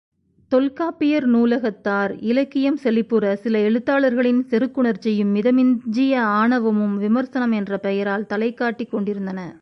தொல்காப்பியர் நூலகத்தார் இலக்கியம் செழிப்புற சில எழுத்தாளர்களின் செருக்குணர்ச்சியும், மிதமிஞ்சிய ஆணவமும் விமர்சனம் என்ற பெயரால் தலைகாட்டிக் கொண்டிருந்தன.